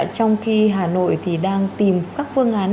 trong khi hà nội đang tìm các phương án